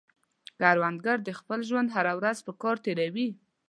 کروندګر د خپل ژوند هره ورځ په کار تېروي